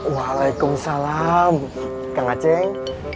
waalaikumsalam kang acing